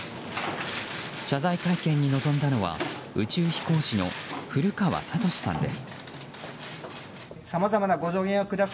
謝罪会見に臨んだのは宇宙飛行士の古川聡さんです。